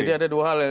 jadi ada dua hal ya